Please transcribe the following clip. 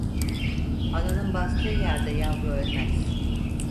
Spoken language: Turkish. Ananın bastığı yerde yavru ölmez.